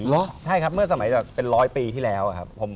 ใช่ครับเมื่อสมัยแบบเป็นร้อยปีที่แล้วครับผม